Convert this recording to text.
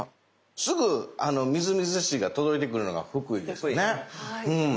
すぐみずみずしいが届いてくるのが福井ですねうん。